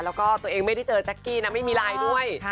แล้วก็ตัวเองไม่ได้เจอแจ๊กกี้นะไม่มีไลน์ด้วย